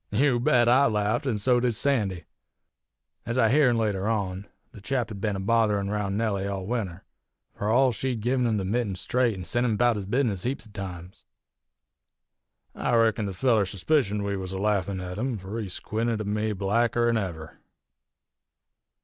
"You bet I laffed, an' so did Sandy. Ez I heern later on, the chap had ben a botherin' roun' Nellie all winter, fur all she'd gin him the mitten straight an' sent him about his bizness heaps o' times. I reckon the feller suspicioned we was a laffin' at him, fur he squinted at me blacker 'n ever.